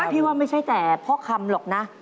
พี่ว่าไม่ใช่แต่พ่อคำหรอกนะ